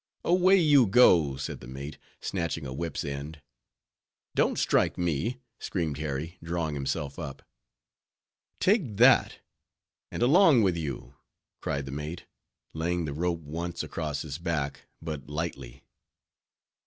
"Away you go!" said the mate, snatching a whip's end. "Don't strike me!" screamed Harry, drawing himself up. "Take that, and along with you," cried the mate, laying the rope once across his back, but lightly.